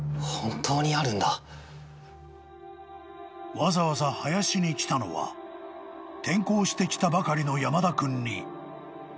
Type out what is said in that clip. ［わざわざ林に来たのは転校してきたばかりの山田君に］